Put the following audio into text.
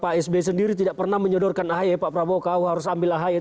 pak s b i sendiri tidak pernah menyodorkan pak prabowo kamu harus ambil ahaya